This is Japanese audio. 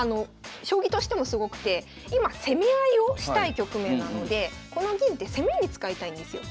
将棋としてもすごくて今攻め合いをしたい局面なのでこの銀って攻めに使いたいんですよ。